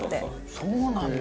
そうなんだ！